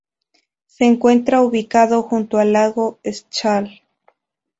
Se encuentra ubicado junto al lago Schaal.